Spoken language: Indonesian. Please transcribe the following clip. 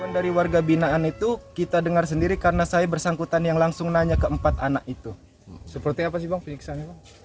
dari warga binaan itu kita dengar sendiri karena saya bersangkutan yang langsung nanya ke empat anak itu seperti apa sih bang penyiksanya bang